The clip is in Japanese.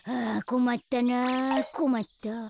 こまったこまった。